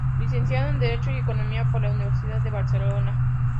Licenciado en Derecho y Economía por la Universidad de Barcelona.